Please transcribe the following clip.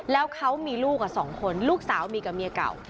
แล้วเขามีลูก๒คนลูกสาวมีกับเมียเก่า